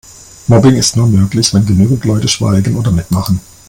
Mobbing ist nur möglich, wenn genügend Leute schweigen oder mitmachen.